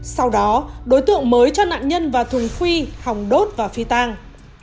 sau đó đối tượng mới cho nạn nhân vào thùng phi hỏng đốt và phi tang